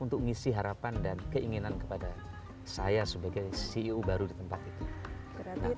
untuk mengisi harapan dan keinginan kepada saya sebagai ceo baru di tempat itu